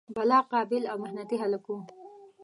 بلا قابل او محنتي هلک و.